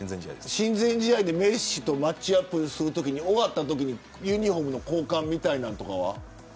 親善試合でメッシとマッチアップするときに終わった後ユニホームの交換みたいなのは。